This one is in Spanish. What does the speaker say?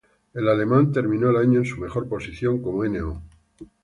El alemán terminó el año en su mejor posición como No.